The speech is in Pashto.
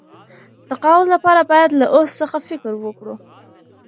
تقاعد لپاره باید له اوس څخه فکر وکړو.